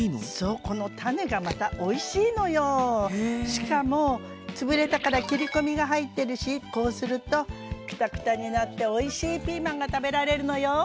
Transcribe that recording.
しかもつぶれたから切り込みが入ってるしこうするとくたくたになっておいしいピーマンが食べられるのよ。